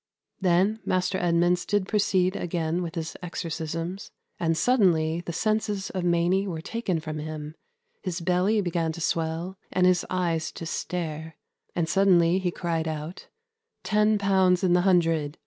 ' ... Then Maister Edmunds did proceede againe with his exorcismes, and suddenly the sences of Mainy were taken from him, his belly began to swell, and his eyes to stare, and suddainly he cried out, 'Ten pounds in the hundred!'